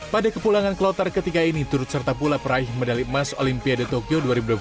pada kepulangan kloter ketiga ini turut serta pula peraih medali emas olimpiade tokyo dua ribu dua puluh